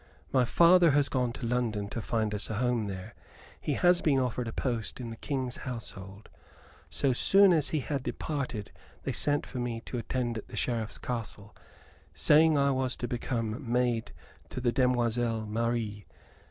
"My father has gone to London to find us a home there. He has been offered a post in the King's household. So soon as he had departed they sent for me to attend at the Sheriff's castle, saying I was to become maid to the demoiselle Marie.